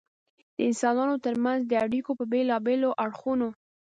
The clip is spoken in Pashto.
د انسانانو تر منځ د اړیکو په بېلابېلو اړخونو.